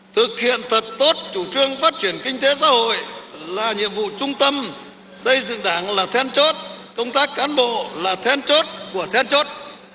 thực hiện thật tốt chủ trương phát triển kinh tế xã hội là nhiệm vụ trung tâm xây dựng đảng là then chốt công tác cán bộ là then chốt của then chốt